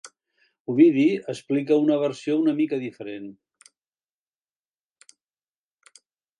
Ovidi explica una versió una mica diferent.